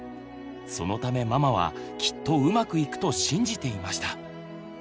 そのためママはきっとうまくいくと信じていました。